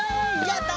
やった！